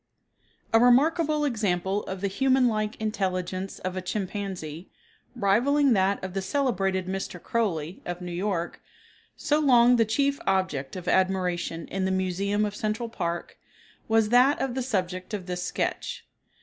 A remarkable example of the human like intelligence of a chimpanzee, rivaling that of the celebrated "Mr. Crowley," of New York, so long the chief object of admiration in the museum of Central Park, was that of the subject of this sketch.